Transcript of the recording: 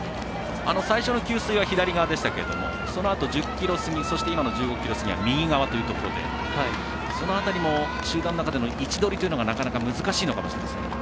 最初の給水は左側でしたがそのあと、１０ｋｍ過ぎ今の１５ｋｍ過ぎは右側というところでその辺りも、集団の中の位置取りというのがなかなか難しいのかもしれません。